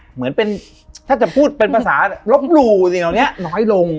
เหมือนเป็นถ้าจะพูดเป็นภาษาลบหลู่สิ่งเหล่านี้น้อยลง